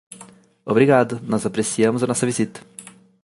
Obrigado, nós apreciamos a nossa visita.